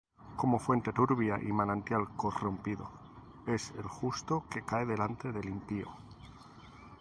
Como fuente turbia y manantial corrompido, Es el justo que cae delante del impío.